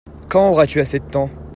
Quand auras-tu assez de temps ?